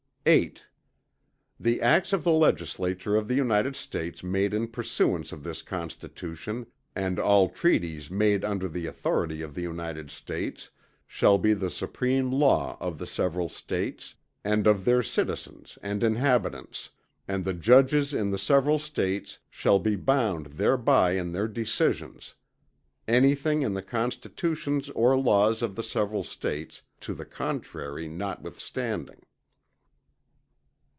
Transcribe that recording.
VIII The acts of the Legislature of the United States made in pursuance of this Constitution, and all treaties made under the authority of the United States shall be the supreme law of the several States, and of their citizens and inhabitants; and the judges in the several States shall be bound thereby in their decisions; anything in the Constitutions or laws of the several States to the contrary notwithstanding.